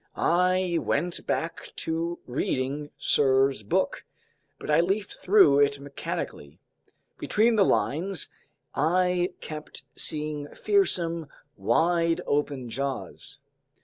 I went back to reading Sirr's book, but I leafed through it mechanically. Between the lines I kept seeing fearsome, wide open jaws.